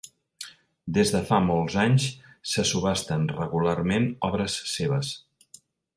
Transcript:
Des de fa molts anys se subhasten regularment obres seves.